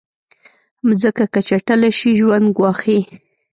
مځکه که چټله شي، ژوند ګواښي.